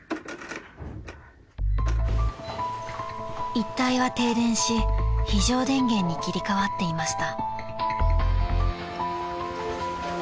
［一帯は停電し非常電源に切り替わっていました］